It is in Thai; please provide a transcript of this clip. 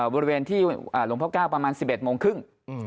บริเวณที่หลวงพ่อก้าวประมาณ๑๑โมงครึ่ง